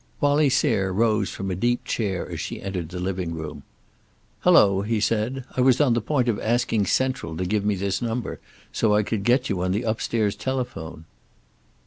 Wallie Sayre rose from a deep chair as she entered the living room. "Hello," he said, "I was on the point of asking Central to give me this number so I could get you on the upstairs telephone."